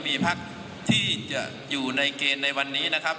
มีพักที่จะอยู่ในเกณฑ์ในวันนี้นะครับ